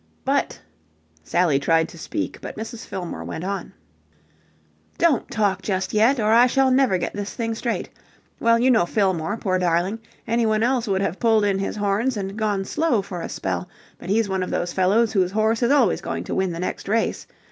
"But..." Sally tried to speak, but Mrs. Fillmore went on. "Don't talk just yet, or I shall never get this thing straight. Well, you know Fillmore, poor darling. Anyone else would have pulled in his horns and gone slow for a spell, but he's one of those fellows whose horse is always going to win the next race.